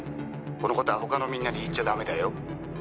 「この事は他のみんなに言っちゃダメだよ」